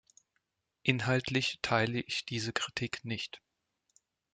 Inhaltlich teile ich diese Kritik nicht.